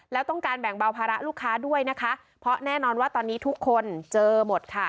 แล้วต้องการแบ่งเบาภาระลูกค้าด้วยนะคะเพราะแน่นอนว่าตอนนี้ทุกคนเจอหมดค่ะ